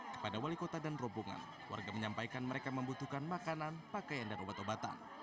kepada wali kota dan rombongan warga menyampaikan mereka membutuhkan makanan pakaian dan obat obatan